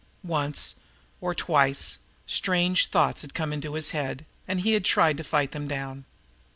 Once or twice strange thoughts had come into his head, and he had tried to fight them down.